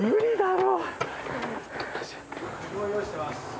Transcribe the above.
もう用意してます。